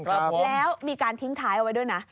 แล้วมีการทิ้งท้ายเอาไว้ด้วยนะ